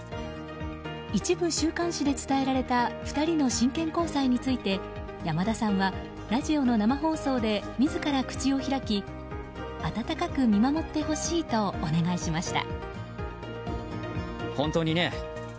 一部週刊誌で伝えられた２人の真剣交際について山田さんはラジオの生放送で自ら口を開き温かく見守ってほしいとお願いしました。